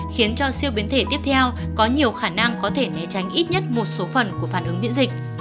khiến cho siêu biến thể tiếp theo có nhiều khả năng có thể né tránh ít nhất một số phần của phản ứng miễn dịch